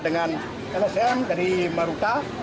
dengan lsm dari maruta